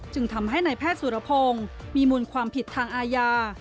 จึงทำให้นายแพทย์สุรพงศ์มีมูลความผิดทางอาญา